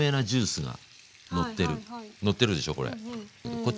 こっち